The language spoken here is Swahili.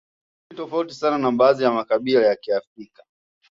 Hii ni tofauti sana na baadhi ya makabila ya Kiafrika